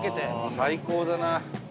最高だな。